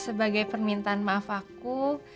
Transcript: sebagai permintaan maaf aku